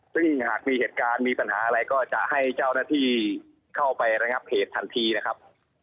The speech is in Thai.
ซึ่งหากมีเหตุการณ์มีปัญหาอะไรก็จะให้เจ้าหน้าที่เข้าไประงับเหตุทันทีนะครับ